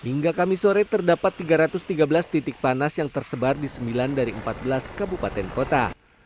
hingga kami sore terdapat tiga ratus tiga belas titik panas yang tersebar di sembilan dari empat belas kabupaten kota